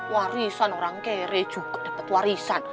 warisan orang kere juga dapat warisan